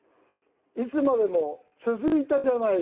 「いつまでも続いたじゃない！